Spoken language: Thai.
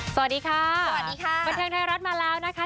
สวัสดีค่ะสวัสดีค่ะบรรเทียงในรอดมาแล้วนะคะ